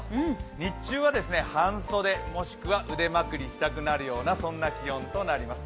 日中は半袖、もしくは腕まくりしたくなるような気温となります。